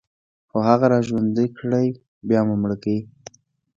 خو هغه راژوندي كړئ، بيا مو مړه کوي